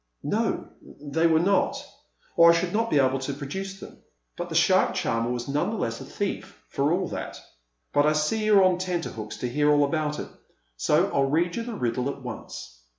"No, they were not, or I should not be able to produce them. But the shark charmer was none the less a thief, for all that. But I see you're on tenterhooks to hear all about it, so I'll read you the riddle at once."